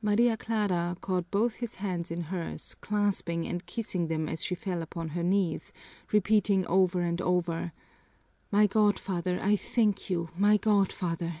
Maria Clara caught both his hands in hers, clasping and kissing them as she fell upon her knees, repeating over and over, "My godfather, I thank you, my godfather!"